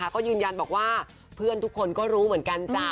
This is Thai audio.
ก็ยืนยันบอกว่าเพื่อนทุกคนก็รู้เหมือนกันจ้ะ